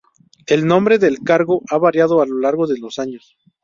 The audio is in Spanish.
El nombre del cargo ha variado a lo largo de los años.